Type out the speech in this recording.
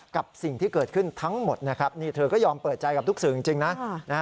กับสิ่งที่เกิดขึ้นทั้งหมดนะครับนี่เธอก็ยอมเปิดใจกับทุกสื่อจริงนะ